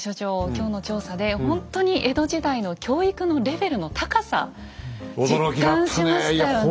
今日の調査でほんとに江戸時代の教育のレベルの高さ実感しましたよね。